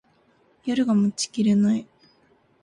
夜が待ちきれない